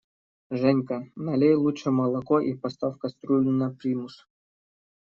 Женька, налей лучше молоко и поставь кастрюлю на примус!